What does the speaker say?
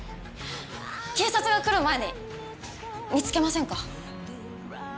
警察が来る前に見つけませんか？